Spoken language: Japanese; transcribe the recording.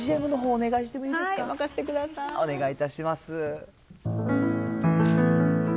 お願いいたします。